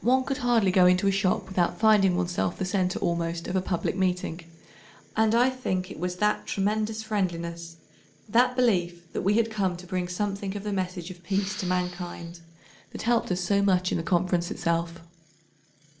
One could hardly go into a shop without finding oneself the centre almost of a public meeting, and I think it was that tremendous friendliness, that belief that we had come to bring something of the message of peace to mankind, that helped us so much in the Conference itself.